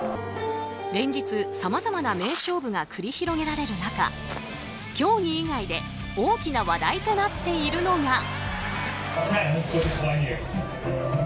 連日、さまざまな名勝負が繰り広げられる中競技以外で大きな話題となっているのが。